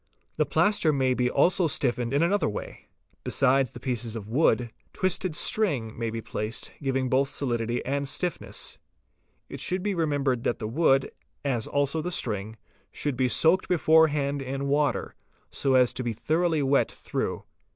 The plaster may be also stiffened fo s= 8 Y \~) in another way. Besides the pieces of wood, twisted string may be placed, giving both solidity and stiffness. It should eh 'be remembered that the wood, as also the string, should be soaked beforehand in water, so as to be thoroughly wet through.